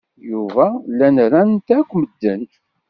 Yuba llan ran-t akk medden.